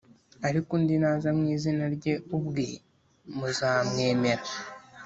; ariko undi naza mu izina rye ubwe muzamwemera.